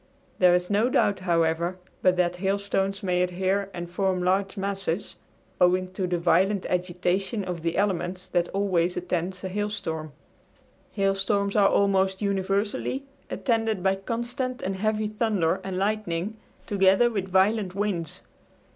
There is no doubt, however, but that hailstones may adhere and form large masses owing to the violent agitation of the elements that always attends a hailstorm. Hailstorms are almost universally attended by constant and heavy thunder and lightning, together with violent winds.